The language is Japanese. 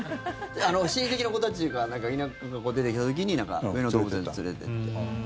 親戚の子たちが田舎から出てきた時に上野動物園に連れてって。